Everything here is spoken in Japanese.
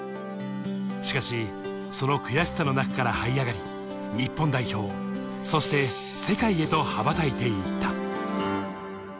しかし、その悔しさの中から這い上がり、日本代表、そして世界へと羽ばたいて行った。